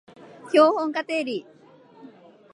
標本化定理